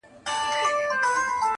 په اساس کي بس همدغه شراکت دئ،